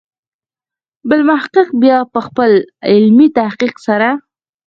بل محقق بیا په خپل علمي تحقیق سره.